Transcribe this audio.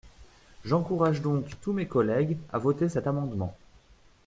J’encourage donc tous mes collègues à voter cet amendement.